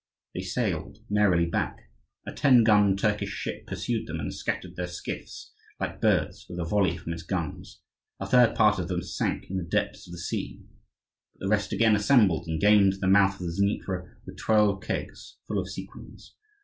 They sailed merrily back. A ten gun Turkish ship pursued them and scattered their skiffs, like birds, with a volley from its guns. A third part of them sank in the depths of the sea; but the rest again assembled, and gained the mouth of the Dnieper with twelve kegs full of sequins.